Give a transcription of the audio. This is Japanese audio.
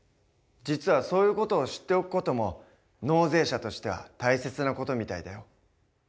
実はそういう事を知っておく事も納税者としては大切な事みたいだよ。